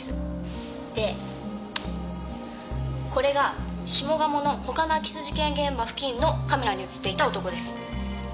でこれが下鴨の他の空き巣事件現場付近のカメラに映っていた男です。